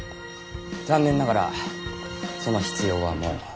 残念ながらその必要はもう。